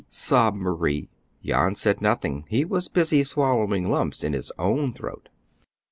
sobbed Marie. Jan said nothing; he was busy swallowing lumps in his own throat.